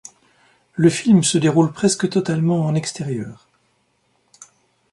Le film se déroule presque totalement en extérieur.